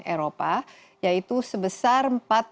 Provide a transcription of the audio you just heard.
eropa yaitu sebesar empat lima ratus delapan puluh empat